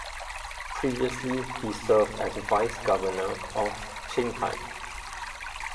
Previously he served as vice governor of Qinghai.